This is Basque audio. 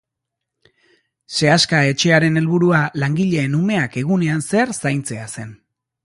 Sehaska etxearen helburua langileen umeak egunean zehar zaintzea zen.